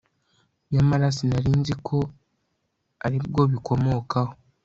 nyamara sinari nzi ko ari bwo bikomokaho